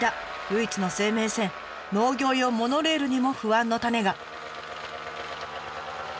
唯一の生命線農業用モノレールにも不安の種が。